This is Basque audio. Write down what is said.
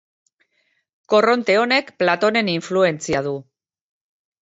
Korronte honek Platonen influentzia du.